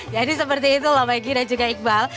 jadi seperti itulah baiknya juga iqbal